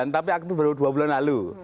tapi aktif baru dua bulan lalu